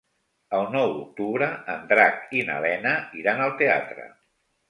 El nou d'octubre en Drac i na Lena iran al teatre.